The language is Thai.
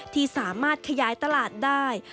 ที่สามารถขยายตลาดได้